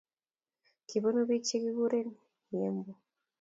kibunuu biik chekikuren Ihembu